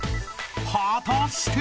［果たして！］